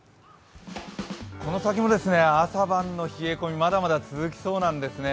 この先も朝晩の冷え込み、まだまだ続きそうなんですね。